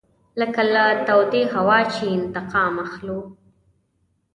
لکه له تودې هوا چې انتقام اخلو.